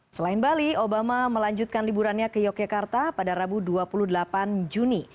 selain bali obama melanjutkan liburannya ke yogyakarta pada rabu dua puluh delapan juni